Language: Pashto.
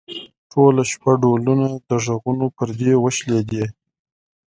ټوله شپه ډولونه؛ د غوږونو پردې وشلېدې.